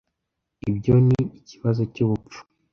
Ibyo ni ikibazo cyubupfu!